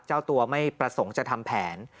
เจ้าตัวไม่ประสงค์จะทำแผน